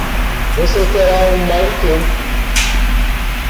Você terá um mau tempo.